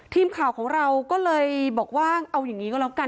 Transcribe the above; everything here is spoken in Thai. ทีมข่าวของเราก็เลยบอกว่าเอาอย่างนี้ก็แล้วกัน